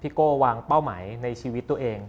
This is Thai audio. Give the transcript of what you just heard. โก้วางเป้าหมายในชีวิตตัวเอง